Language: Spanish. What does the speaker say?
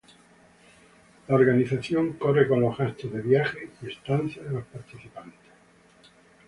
La organización corre con los gastos de viaje y estancia de los participantes.